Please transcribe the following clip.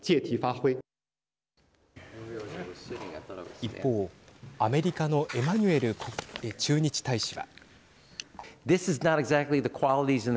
一方、アメリカのエマニュエル駐日大使は。